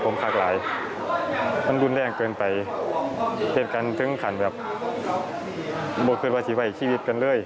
มันรุนแรงเกินไปเหตุการณ์ถึงขันแบบบวดคืนวัฒน์ชีวิตกันเลย